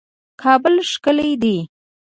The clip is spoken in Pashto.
کابل ښکلی ده